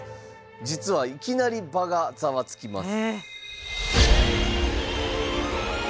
実はいきなり場がざわつきます。